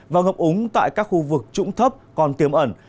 và ngập úng tại các khu vực trũng thấp còn tiềm ẩn